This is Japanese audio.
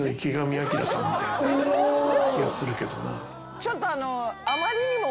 ちょっと。